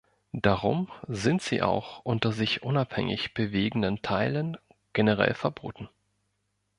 Darum sind sie auch unter sich unabhängig bewegenden Teilen generell verboten.